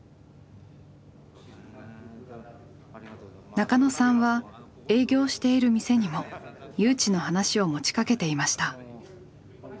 中野さんは営業している店にも誘致の話を持ちかけていました。